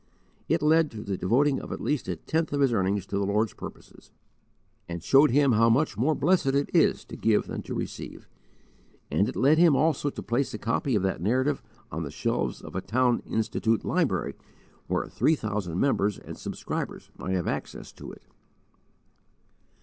It led to the devoting of at least a tenth of his earnings to the Lord's purposes, and showed him how much more blessed it is to give than to receive; and it led him also to place a copy of that Narrative on the shelves of a Town Institute library where three thousand members and subscribers might have access to it.